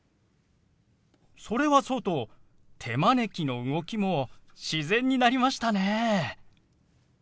それはそうと手招きの動きも自然になりましたね。